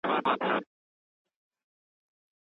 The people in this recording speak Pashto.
د عايد د زياتوالي لپاره نوي پړاوونه ټاکل سوي دي.